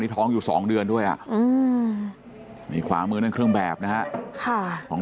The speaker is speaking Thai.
ท้องอยู่๒เดือนด้วยนี่ขวามือนั่นเครื่องแบบนะฮะของ